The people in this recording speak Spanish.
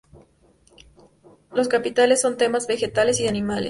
Los capiteles son temas vegetales y de animales.